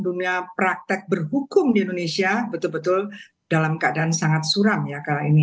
dunia praktek berhukum di indonesia betul betul dalam keadaan sangat suram ya karena ini